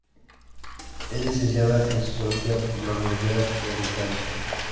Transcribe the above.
Es licenciada en Sociología por la Universidad de Alicante.